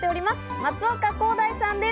松岡広大さんです。